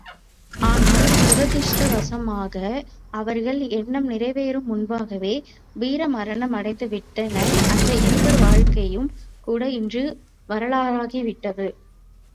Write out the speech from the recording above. ஆனால் துரதிஷ்ட வசமாக, அவர்கள் எண்ணம் நிறைவேறுமுன்பாகவே, வீரமரணமடைந்துவிட்டனர் அந்த இருவர் வாழ்க்கையும் கூட இன்று வரலாறுகிவிட்டது.